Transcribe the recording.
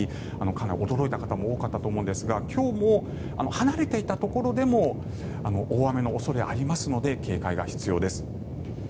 かなり驚いた方も多かったと思うんですが今日も離れていたところでも大雨の恐れがありますので警戒が必要です。